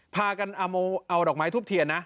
พากันเอาดอกไม้ทูบเทียนนะ